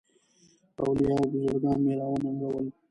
اولیاء او بزرګان مي را وننګول.